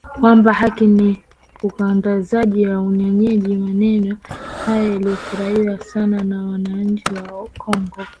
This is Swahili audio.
kwamba haki ni ukandamizaji na unyonyaji Maneno haya yalifurahiwa sana na wananchi wa Kongo